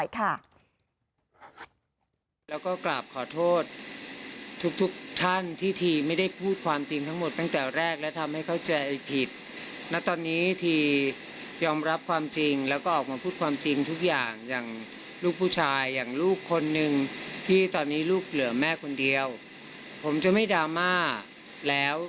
คุณผู้ชมเดี๋ยวฟังเสียงกันหน่อยค่ะ